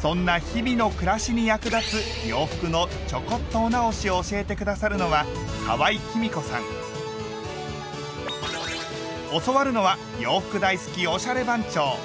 そんな日々の暮らしに役立つ洋服のちょこっとお直しを教えて下さるのは教わるのは洋服大好きおしゃれ番長！